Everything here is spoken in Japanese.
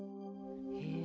へえ。